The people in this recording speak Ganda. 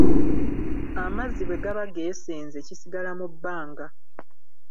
Amazzi bwe gaba geesenze kisigala mu bbanga.